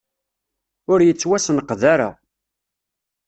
Ur yettwasenqed ara.